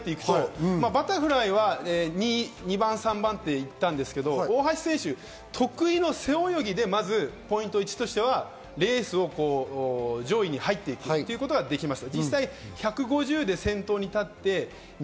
レースを振り返っていくとバタフライは２番３番って行ったんですが大橋選手、得意の背泳ぎでポイント１としてはレースの上位に入っていくということができました。